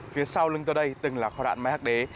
phía sau lưng tôi đây từng là kho đạn mai hắc đế